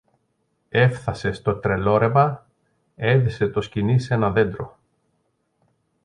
Έφθασε στο Τρελόρεμα, έδεσε το σκοινί σ' ένα δέντρο